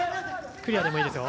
クリアでもいいですよ。